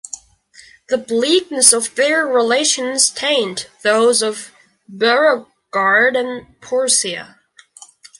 The bleakness of their relations taint those of Beauregard and Porcia.